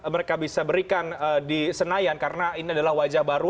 mereka bisa berikan di senayan karena ini adalah wajah baru